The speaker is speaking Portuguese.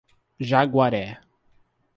Jaguaré